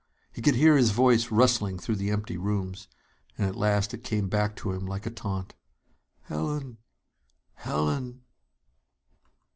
He could hear his voice rustling through the empty rooms, and at last it came back to him like a taunt: "_Helen! Helen!